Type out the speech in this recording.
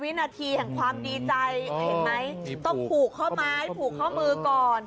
วินาทีแห่งความดีใจเห็นไหมต้องผูกข้อไม้ผูกข้อมือก่อน